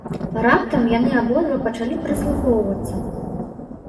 Раптам яны абодва пачалі прыслухоўвацца.